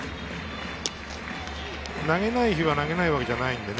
投げない日は投げないわけじゃないんでね。